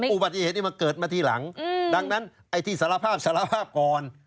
อุบัติเหตุนี้มันเกิดมาทีหลังดังนั้นไอ้ที่สารภาพสารภาพก่อน